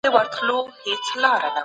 فابریکې څنګه د بازار غوښتنې تعقیبوي؟